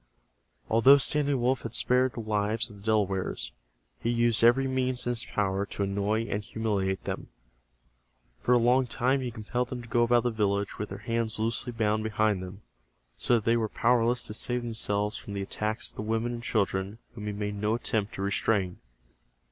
Although Standing Wolf had spared the lives of the Delawares, he used every means in his power to annoy and humiliate them. For a long time he compelled them to go about the village with their hands loosely bound behind them, so that they were powerless to save themselves from the attacks of the women and children whom he made no attempt to restrain.